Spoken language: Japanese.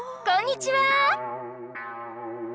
こんにちは！